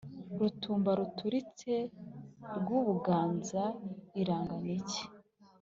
Rutumba ruturitse rw'i Buganza irangana iki ?